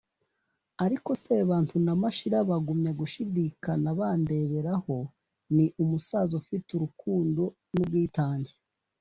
ariko sebantu na mashira bagumya gushidikan bandebereho ni umusaza ufite urukundo n’ubwitange.